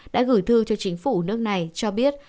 đã gửi thư cho chính phủ nước này cho biết